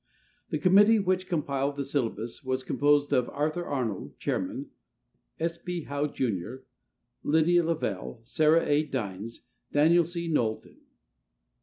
The committee which compiled the syllabus was composed of: Arthur Arnold, chairman; S. P. Howe, Jr., Lydia Lavell, Sara A. Dynes, Daniel C. Knowlton.